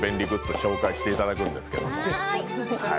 紹介していただいているんですけど。